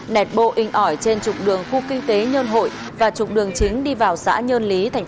nẹt bộ in ỏi trên trục đường khu kinh tế nhân hội và trục đường chính đi vào xã nhân lý tp quy nhơn